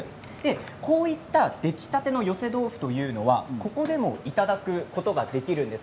こういった出来たての寄せ豆腐はここでもいただくことができるんです。